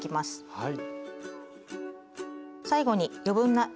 はい。